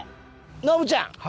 ノブちゃん！